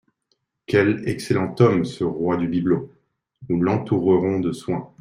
Quel excellent homme, ce roi du bibelot ! Nous l'entourerons de soins.